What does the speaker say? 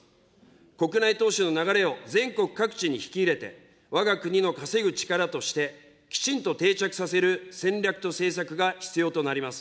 国内投資の流れを全国各地に引き入れて、わが国の稼ぐ力として、きちんと定着させる戦略と政策が必要となります。